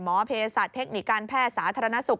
หมอเพศสัตว์เทคนิคการแพทย์สาธารณสุข